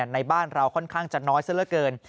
ในบ้านเราค่อนข้างจะน้อยเสียเลือดเกิน